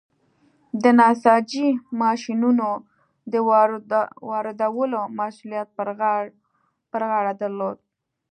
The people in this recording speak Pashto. د نساجۍ ماشینونو د واردولو مسوولیت پر غاړه درلود.